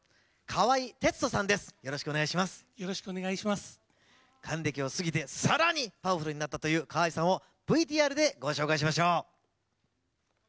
還暦を過ぎてさらにパワフルになったという川合さんをＶＴＲでご紹介しましょう。